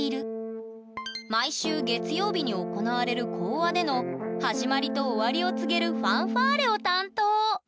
毎週月曜日に行われる講話での始まりと終わりを告げるファンファーレを担当！